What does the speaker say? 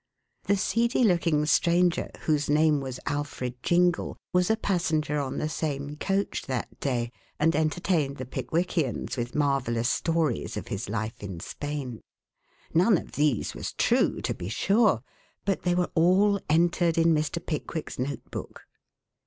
The seedy looking stranger, whose name was Alfred Jingle, was a passenger on the same coach that day and entertained the Pickwickians with marvelous stories of his life in Spain. None of these was true, to be sure, but they were all entered in Mr. Pickwick's note book.